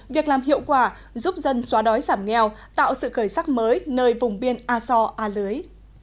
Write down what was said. việc làm hiệu quả giúp dân xóa đói giảm nghèo tạo sự khởi sắc mới nơi vùng biên a so a lưới